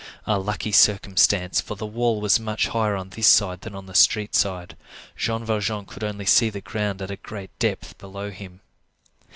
A lucky circumstance, for the wall was much higher on this side than on the street side. Jean Valjean could only see the ground at a great depth below him.